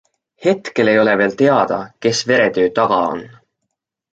Hetkel ei ole veel teada, kes veretöö taga on.